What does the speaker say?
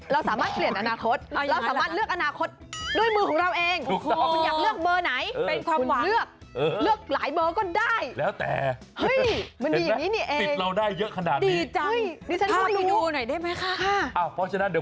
เราสามารถเปลี่ยนอนาคตเราสามารถเลือกอนาคตด้วยมือของเราเอง